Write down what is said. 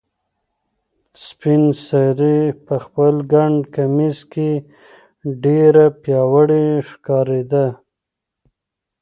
سپین سرې په خپل ګڼ کمیس کې ډېره پیاوړې ښکارېده.